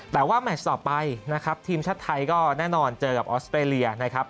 แต่ว่าแมชต่อไปนะครับทีมชาติไทยก็แน่นอนเจอกับออสเตรเลียนะครับ